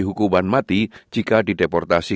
hukuman mati jika dideportasi